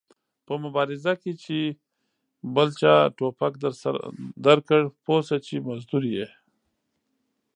په مبارزه کې چې بل چا ټوپک درکړ پوه سه چې مزدور ېې